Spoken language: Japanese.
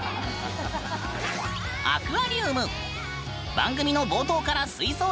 番組の冒頭から水槽に夢中。